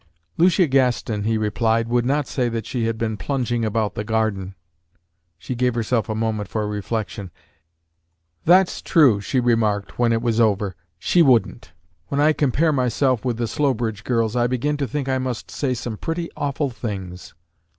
"Lucia Gaston," he replied, "would not say that she had been 'plunging' about the garden." She gave herself a moment for reflection. "That's true," she remarked, when it was over: "she wouldn't. When I compare myself with the Slowbridge girls, I begin to think I must say some pretty awful things."